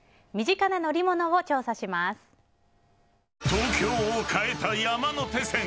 東京を変えた山手線。